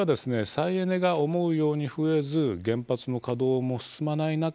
再エネが思うように増えず原発の稼働も進まない中